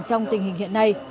trong tình hình hiện nay